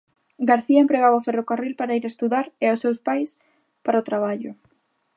García empregaba o ferrocarril para ir estudar e os seus pais, para o traballo.